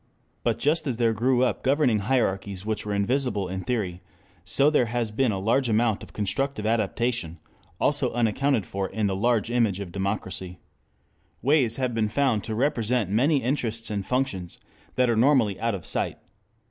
But just as there grew up governing hierarchies which were invisible in theory, so there has been a large amount of constructive adaptation, also unaccounted for in the image of democracy. Ways have been found to represent many interests and functions that are normally out of sight.